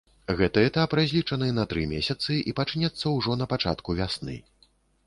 Гэты этап разлічаны тры месяцы і пачнецца ўжо на пачатку вясны.